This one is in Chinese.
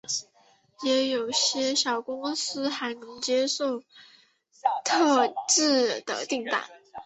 也有些小公司还接受特制的订单。